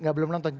gak belum nonton